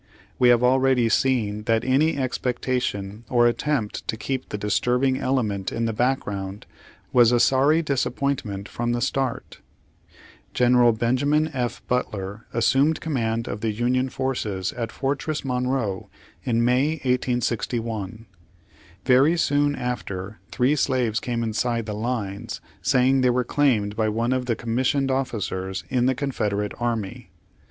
We have already seen that any expectation or attempt to keep the disturbing ele ment in the background was a sorry disappoint ment from the start. Gen. Benjamin F. Butler assumed command of the Union forces at Fortress Monroe in May, 1861. Very soon after three slaves came inside the lines, saying they were claimed by one of the commissioned officers in the Confederate Army.